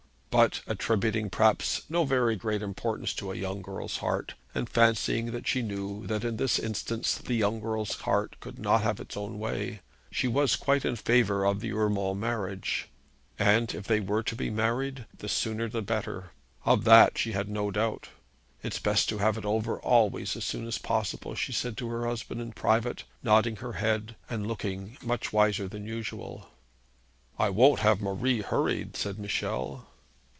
But, attributing perhaps no very great importance to a young girl's heart, and fancying that she knew that in this instance the young girl's heart could not have its own way, she was quite in favour of the Urmand marriage. And if they were to be married, the sooner the better. Of that she had no doubt. 'It's best to have it over always as soon as possible,' she said to her husband in private, nodding her head, and looking much wiser than usual. 'I won't have Marie hurried,' said Michel.